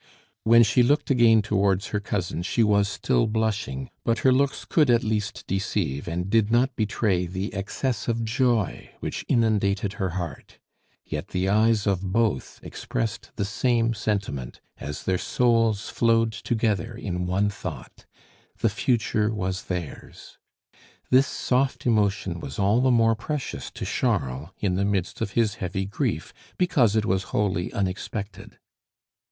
When she looked again towards her cousin she was still blushing, but her looks could at least deceive, and did not betray the excess of joy which innundated her heart; yet the eyes of both expressed the same sentiment as their souls flowed together in one thought, the future was theirs. This soft emotion was all the more precious to Charles in the midst of his heavy grief because it was wholly unexpected.